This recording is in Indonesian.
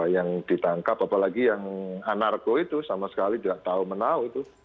yang ditangkap apalagi yang anarko itu sama sekali tidak tahu menau itu